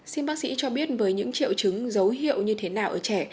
xin bác sĩ cho biết với những triệu chứng dấu hiệu như thế nào ở trẻ